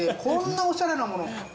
こんなおしゃれなもの。